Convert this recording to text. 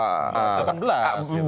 bisa kan belas